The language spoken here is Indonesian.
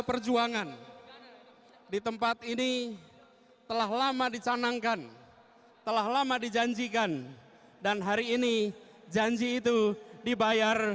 perjuangan di tempat ini telah lama dicanangkan telah lama dijanjikan dan hari ini janji itu dibayar